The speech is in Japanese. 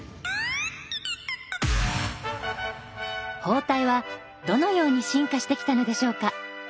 包帯はどのように進化してきたのでしょうか。